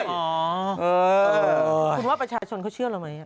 คุณว่าผู้ชายชนเขาเชื่อเรามั้ย